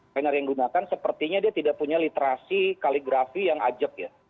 planner yang digunakan sepertinya dia tidak punya literasi kaligrafi yang ajak ya